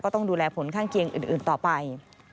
ต้องดูแลผลข้างเคียงอื่นต่อไป